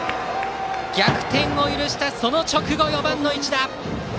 逆転を許したその直後、４番の一打！